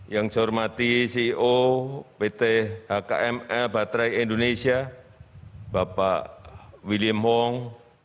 yang saya hormati ceo pt hkml battery indonesia bapak william hong